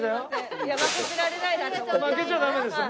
負けちゃダメですよ。